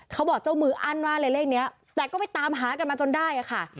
เขาบอกเจ้ามืออั้นมากเลยเลขนี้แต่ก็ไปตามหากันมาจนได้ค่ะ